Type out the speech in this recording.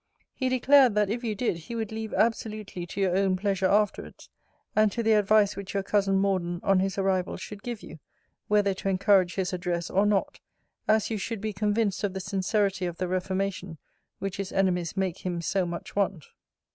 He declared, that if you did, he would leave absolutely to your own pleasure afterwards, and to the advice which your cousin Morden on his arrival should give you, whether to encourage his address, or not, as you should be convinced of the sincerity of the reformation which his enemies make him so much want.